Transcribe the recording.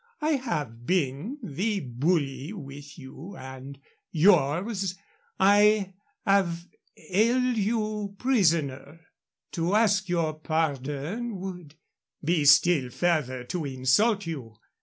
I have been the bully with you and yours. I have held you prisoner. To ask your pardon would be still further to insult you.